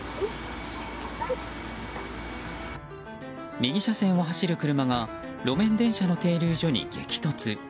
右車線を走る車が路面電車の停留所に激突。